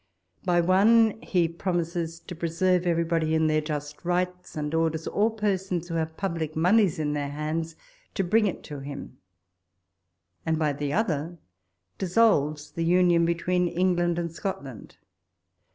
By one, he promises to preserve everybody in their just rights ; and orders all persons who have public monies in their hands to bring it to him ; and by the other dissolves the union between England and Scotland.